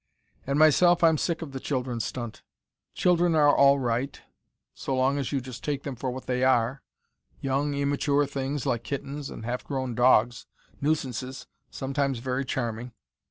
"And myself, I'm sick of the children stunt. Children are all right, so long as you just take them for what they are: young immature things like kittens and half grown dogs, nuisances, sometimes very charming.